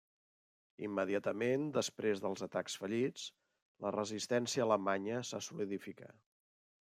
Immediatament després dels atacs fallits, la resistència alemanya se solidificà.